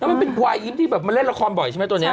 มันเป็นควายยิ้มที่แบบมันเล่นละครบ่อยใช่ไหมตัวนี้